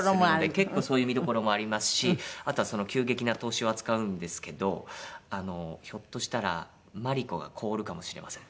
結構そういう見どころもありますしあとは急激な凍死を扱うんですけどひょっとしたらマリコが凍るかもしれません。